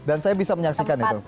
dan saya bisa menyaksikan itu